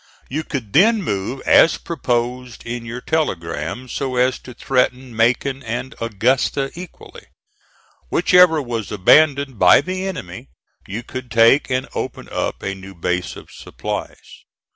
You could then move as proposed in your telegram, so as to threaten Macon and Augusta equally. Whichever was abandoned by the enemy you could take and open up a new base of supplies.